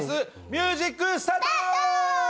ミュージックスタート！スタート！